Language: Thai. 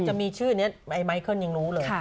จะมีชื่อนี้ไอ้ไมเคิลยังรู้เลย